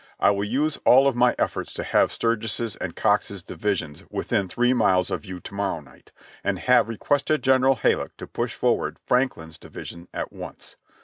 I will use all of my efforts to have Sturges's and Cox's divisions within three miles of you to morrow night, and have requested General Halleck to push forward Franklin's division at once.